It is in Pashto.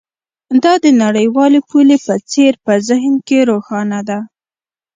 دا د نړیوالې پولې په څیر په ذهن کې روښانه ده